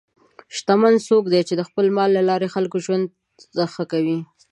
شتمن څوک دی چې د خپل مال له لارې د خلکو ژوند ښه کوي.